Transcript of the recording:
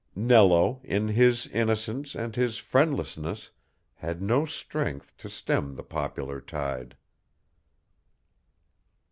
Nello, in his innocence and his friendlessness, had no strength to stem the popular tide.